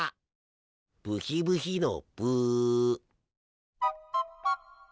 ブヒブヒのブ。